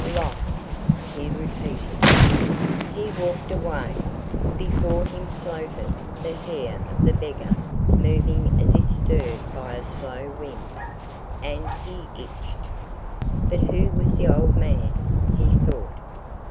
"Life," he repeated.... He walked away. Before him floated the hair of the beggar moving as if stirred by a slow wind, and he itched. "But who was the old man?" he thought.